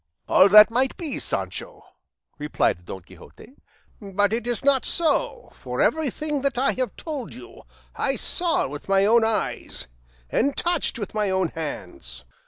"All that might be, Sancho," replied Don Quixote; "but it is not so, for everything that I have told you I saw with my own eyes, and touched with my own hands.